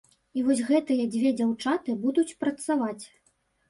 І вось гэтыя дзве дзяўчаты будуць працаваць.